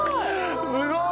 「すごい！」